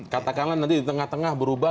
katakanlah nanti di tengah tengah berubah